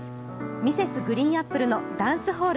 Ｍｒｓ．ＧＲＥＥＮＡＰＰＬＥの「ダンスホール」